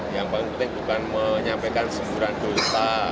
yang paling penting bukan menyampaikan sempuran dosa